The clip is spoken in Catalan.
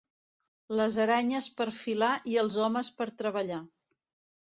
Les aranyes per filar i els homes per treballar.